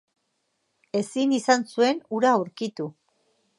Ezin izan zuen ura aurkitu.